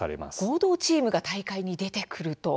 合同チームが大会に出てくると。